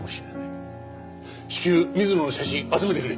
至急水野の写真集めてくれ。